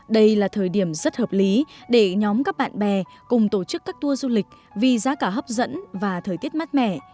đây là thời điểm rất hợp lý để nhóm các bạn bè cùng tổ chức các tour du lịch vì giá cả hấp dẫn và thời tiết mát mẻ